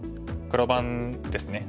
黒番ですね。